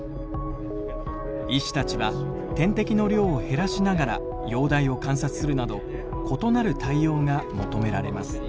医師たちは点滴の量を減らしながら容体を観察するなど異なる対応が求められます。